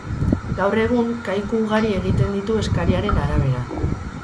Gaur egun, kaiku ugari egiten ditu eskariaren arabera.